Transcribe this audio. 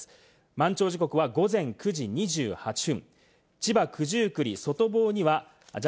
満潮時刻は午前９時２８分。